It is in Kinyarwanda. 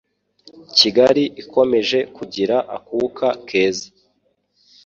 Kigali ikomeje kugira akuka keza.